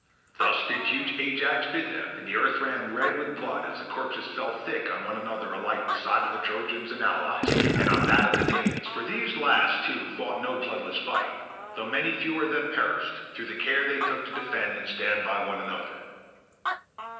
Thus did huge Ajax bid them, and the earth ran red with blood as the corpses fell thick on one another alike on the side of the Trojans and allies, and on that of the Danaans; for these last, too, fought no bloodless fight though many fewer of them perished, through the care they took to defend and stand by one another.